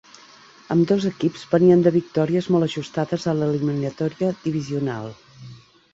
Ambdós equips venien de victòries molt ajustades a l'eliminatòria divisional.